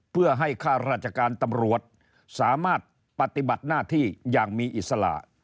เพื่อให้ข้าราชการตำรวจสามารถปฏิบัติหน้าที่อย่างมีอิสระ